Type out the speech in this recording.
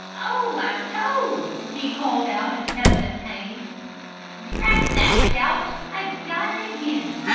"Oh, my toe!" he called out in evident pain. "Drat that gout, I've got it again!"